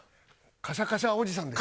カシャカシャおじさん？